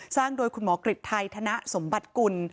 สร้างโดยคุณหมอกฤษไทยธนสมบัติกุล